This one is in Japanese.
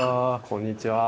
こんにちは。